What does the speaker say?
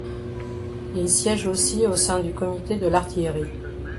Il siège aussi au sein du Comité de l'artillerie.